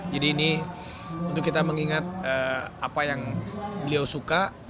jadi ini untuk kita mengingat apa yang beliau suka